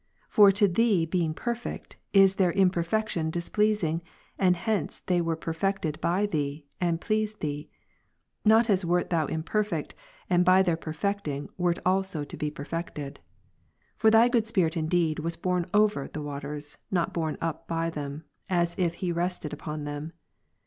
For to Tliee being perfect, is their imperfection displeasing, and hence were they per fected by Thee, and please Thee; not as wert Thou imperfect, and by their perfecting wert also to be perfected. For Thy good Spirit indeed ivas borne over the waters, not borne up Gen. 1, by them as if He rested upon them.